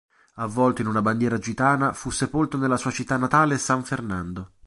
Avvolto in una bandiera gitana, fu sepolto nella sua città natale San Fernando.